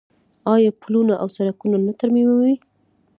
آیا پلونه او سړکونه نه ترمیموي؟